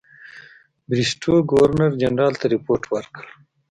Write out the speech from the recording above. بریسټو ګورنرجنرال ته رپوټ ورکړ.